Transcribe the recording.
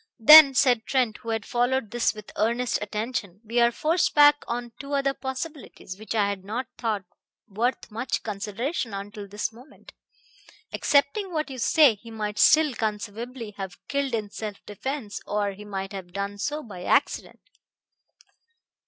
"Then," said Trent, who had followed this with earnest attention, "we are forced back on two other possibilities, which I had not thought worth much consideration until this moment. Accepting what you say, he might still conceivably have killed in self defense; or he might have done so by accident."